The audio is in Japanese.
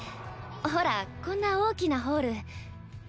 ほらこんな大きなホール。